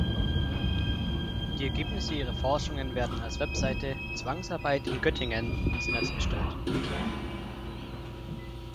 Die Ergebnisse ihrer Forschungen werden als Website „Zwangsarbeit in Göttingen“ ins Netz gestellt.